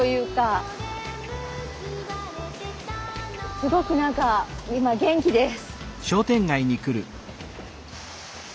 すごく何か今元気です。